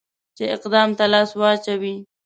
چې اقدام ته لاس واچوي.